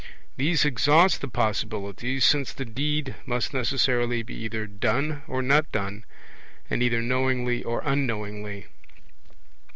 These exhaust the possibilities, since the deed must necessarily be either done or not done, and either knowingly or unknowingly.